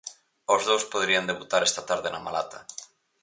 Os dous poderían debutar esta tarde na Malata.